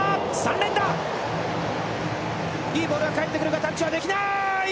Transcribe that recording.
いいボールがかえってくるが、タッチはできない。